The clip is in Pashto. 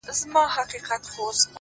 ارامتیا د درک له ژورتیا پیدا کېږي؛